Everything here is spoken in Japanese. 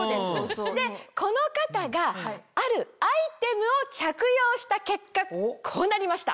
でこの方があるアイテムを着用した結果こうなりました。